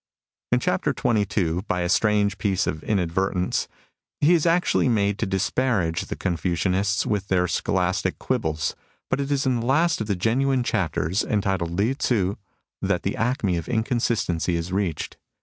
In chapter xxii, by a strange piece of inad vertence, he is actually made to disparage the Confucianists with their scholastic quibbles. But it is in the last of the genuine chapters, entitled Lieh Tzu, that the acme of inconsistency is reached.